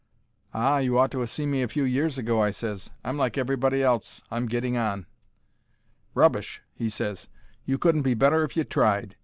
"Ah, you ought to ha' seen me a few years ago," I ses. "I'm like everybody else—I'm getting on." "Rubbish!" he ses. "You couldn't be better if you tried.